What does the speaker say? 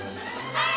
はい！